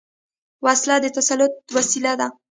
وسله د تسلط وسيله ده